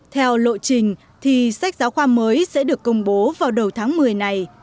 theo lộ trình thì sách giáo khoa mới sẽ được công bố vào đầu tháng một mươi này